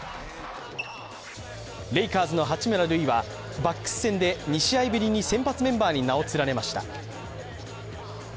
レイカーズの八村塁はバックス戦で２試合ぶりに先発メンバーに名を連ねました。